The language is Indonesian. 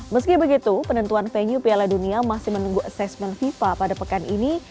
meski begitu penentuan venue piala dunia masih menunggu asesmen fifa pada pekan ini